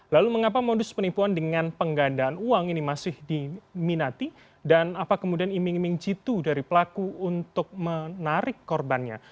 lalu mengapa modus penipuan dengan penggandaan uang ini masih diminati dan apa kemudian iming iming jitu dari pelaku untuk menarik korbannya